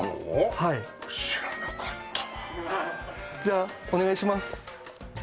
はい知らなかったわじゃあお願いします